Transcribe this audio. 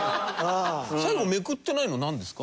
最後めくってないのなんですか？